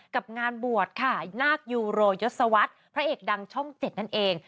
กับงานบวชค่ะนาคยูโรยศวรรษพระเอกดังช่อง๗นั่นเอง